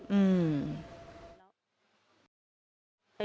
อืม